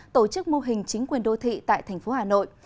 tổ chức mô hình chính quyền đô thị tại thành phố hà nội